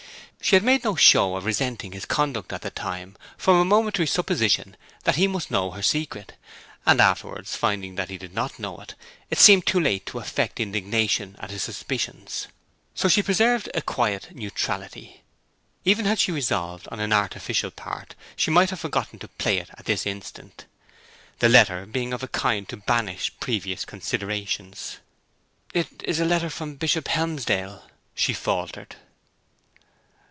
She had made no show of resenting his conduct at the time, from a momentary supposition that he must know all her secret; and afterwards, finding that he did not know it, it seemed too late to affect indignation at his suspicions. So she preserved a quiet neutrality. Even had she resolved on an artificial part she might have forgotten to play it at this instant, the letter being of a kind to banish previous considerations. 'It is a letter from Bishop Helmsdale,' she faltered.